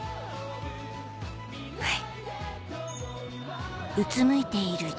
はい。